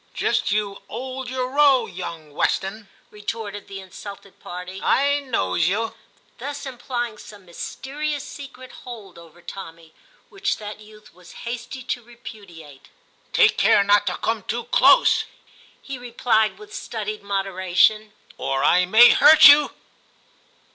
* Just you 'old your row, young Weston,' retorted the insulted party ;* I knows you '; thus implying some mysterious secret hold over Tommy, which that youth was hasty to repudiate. *Take care not to come too close,' he replied with studied moderation, *or I may hurt you.'